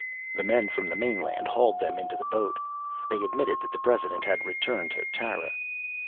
The men from the mainland hauled them into the boat. They admitted that the president had returned to Tara.